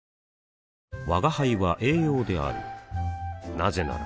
なぜなら